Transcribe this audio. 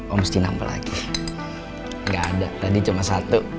om mesti nampel lagi gak ada tadi cuma satu